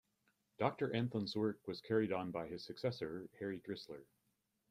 Doctor Anthon's work was carried on by his successor, Henry Drisler.